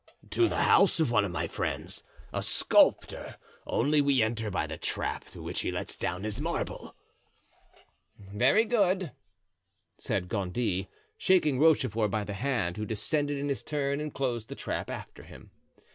"To the house of one of my friends, a sculptor, only we enter by the trap through which he lets down his marble." "Very good," said Gondy, shaking Rochefort by the hand, who descended in his turn and closed the trap after him.